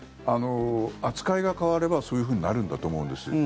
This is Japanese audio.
扱いが変わればそういうふうになるんだと思うんです。